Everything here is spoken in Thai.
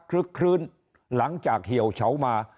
ลึกคลื้นหลังจากเหี่ยวเฉามา